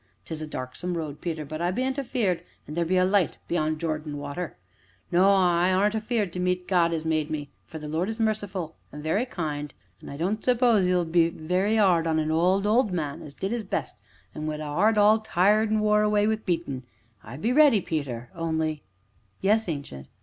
'Tis a darksome road, Peter, but I bean't afeared, an' there be a light beyond Jordan water. No, I aren't afeared to meet the God as made me, for 'the Lord is merciful and very kind,' an' I don't s'pose as 'E'll be very 'ard on a old, old man as did 'is best, an' wi' a 'eart all tired an' wore away wi' beatin' I be ready, Peter only " "Yes, Ancient?"